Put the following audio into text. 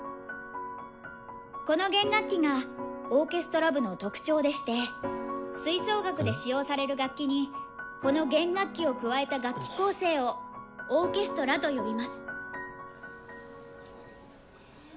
この弦楽器がオーケストラ部の特徴でして吹奏楽で使用される楽器にこの弦楽器を加えた楽器構成を「オーケストラ」と呼びます。